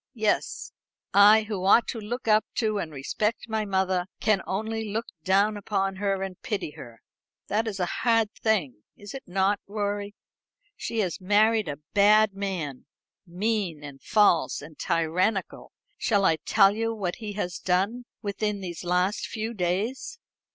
Yes; I, who ought to look up to and respect my mother, can only look down upon her and pity her. That is a hard thing, is it not, Rorie? She has married a bad man mean, and false and tyrannical. Shall I tell you what he has done within these last few days?"